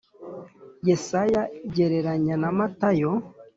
Yesaya gereranya na Matayo